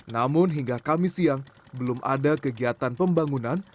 namun hingga kamis siang belum ada kegiatan pembangunan